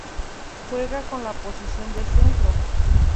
Juega en la posición de centro.